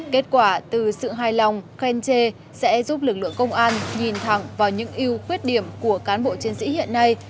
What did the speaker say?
kết quả từ sự hài lòng khe chê sẽ giúp lực lượng công an nhìn thẳng vào những yêu khuyết điểm của cán bộ chiến sĩ hiện nay